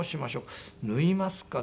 「縫いますか？